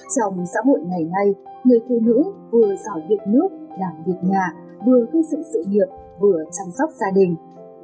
trong xã hội ngày nay người phụ nữ vừa giảo việc nước đảm việc nhà vừa thi sử sự nghiệp vừa chăm sóc gia đình